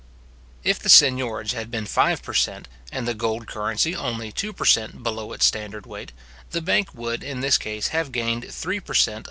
If the seignorage had been five per cent. and the gold currency only two per cent. below its standard weight, the bank would, in this case, have gained three per cent.